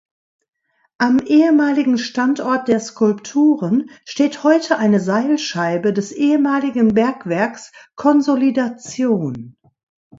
Am ehemaligen Standort der Skulpturen steht heute eine Seilscheibe des ehemaligen Bergwerks Consolidation.